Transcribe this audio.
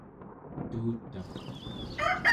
tuutaq